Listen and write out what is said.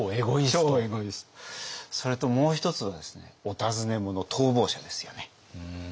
それともう一つはですねお尋ね者逃亡者ですよね。